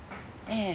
ええ。